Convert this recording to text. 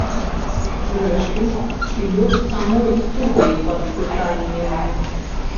Зрэшты, і лёс самой студыі пад пытаннем.